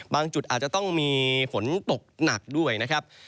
จุดอาจจะต้องมีฝนตกหนักด้วยนะครับ